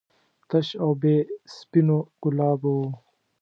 تش او بې سپینو ګلابو و.